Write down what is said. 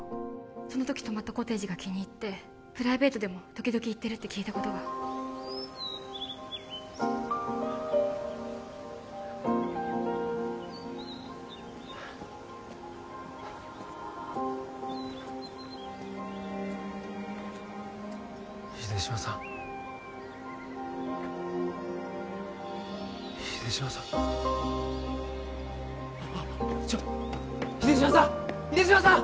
その時泊まったコテージが気に入ってプライベートでも時々行ってるって聞いたことが秀島さん秀島さんああちょっ秀島さん秀島さん！